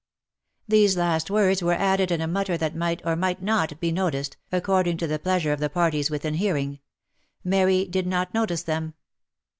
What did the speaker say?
These last words were added in a mutter that might, or might not, be noticed, according to the pleasure of the parties within hearing. Mary did not notice them.